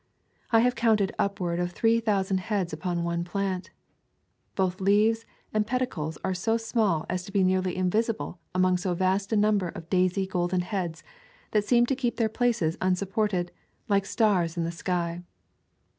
I have counted upward of three thousand heads upon one plant. Both leaves and pedicles are so small as to be nearly invisible among so vast a number of daisy golden heads that seem to keep their places unsupported, like stars in the sky.